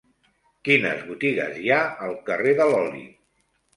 Quines botigues hi ha al carrer de l'Oli?